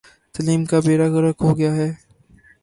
تعلیم کا بیڑہ غرق ہو گیا ہے۔